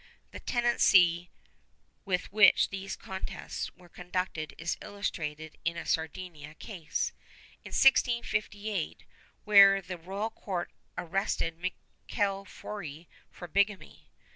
The tenacity with which these contests were conducted is illustrated in a Sardinia case, m 1658, where the royal court arrested Miquel Fiori for bigamy.